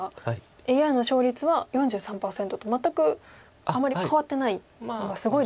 ＡＩの勝率は４３％と全くあまり変わってないっていうのはすごいですよね。